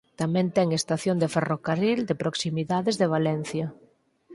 Tamén ten estación de ferrocarril de Proximidades de Valencia.